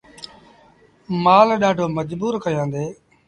مآل ڏآڍو مجبور ڪيآندي۔